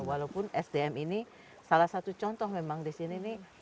walaupun sdm ini salah satu contoh memang di sini nih